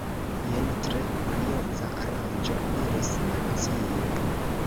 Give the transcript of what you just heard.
"Jen tre kurioza aranĝo," diris Alicio.